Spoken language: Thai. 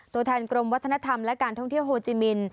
ตัวแทนกรมวัฒนธรรมและการท่องเที่ยวโฮจิมิน